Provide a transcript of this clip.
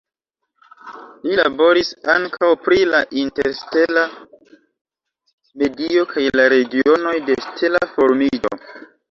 Li laboris ankaŭ pri la interstela medio kaj la regionoj de stela formiĝo.